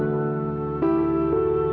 yang paling penuh ni orio